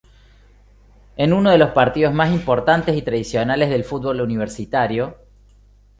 Es uno de los partidos más importantes y tradicionales del fútbol universitario.